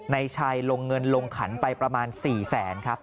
ในชัยลงเงินลงขันไปประมาณ๔๐๐๐๐๐บาท